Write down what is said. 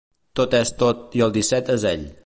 Tot és tot i el disset és ell.